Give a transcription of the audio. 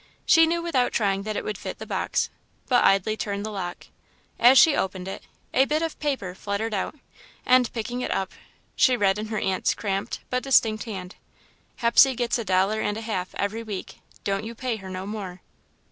She knew, without trying, that it would fit the box, but idly turned the lock. As she opened it, a bit of paper fluttered out, and, picking it up, she read in her aunt's cramped, But distinct hand: "Hepsey gets a dollar and a half every week. Don't you pay her no more."